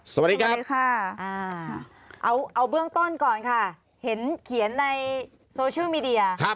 สวัสดีครับสวัสดีค่ะเอาเบื้องต้นก่อนค่ะเห็นเขียนในโซเชียลมีเดีย